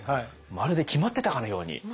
まるで決まってたかのように。